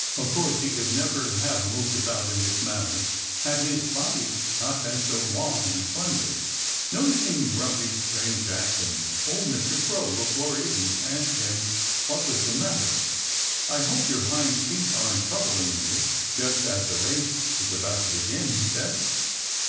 Of course he could never have moved about in this manner had his body not been so long and slender. Noticing Grumpy's strange actions, old Mr. Crow looked worried and asked him what was the matter. "I hope your hind feet aren't troubling you, just as the race is about to begin," he said.